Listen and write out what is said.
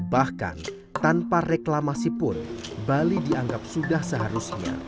bahkan tanpa reklamasipun bali dianggap sudah seharusnya